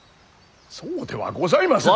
そうではございません。